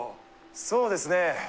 そうですね